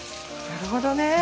なるほどね。